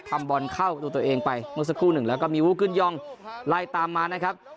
ทำบอลเข้าประตูตัวเองไปเมื่อสักครู่หนึ่งแล้วก็มีวู้ขึ้นย่องไล่ตามมานะครับ